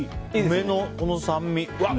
梅のこの酸味。